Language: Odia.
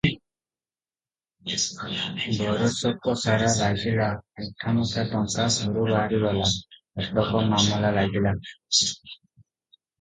ବରଷକସାରା ଲାଗିଲା ମୁଠା ମୁଠା ଟଙ୍କା ଘରୁ ବାହାରିଗଲା, କଟକ ମାମଲା ଲାଗିଲା ।